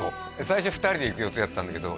最初２人で行く予定だったんだけど